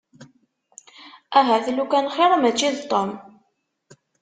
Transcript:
Ahat lukan xir mačči d Tom.